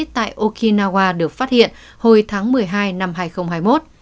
tại okinawa được phát hiện hồi tháng một mươi hai năm hai nghìn hai mươi một